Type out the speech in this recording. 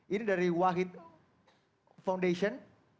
ini dari wahid foundation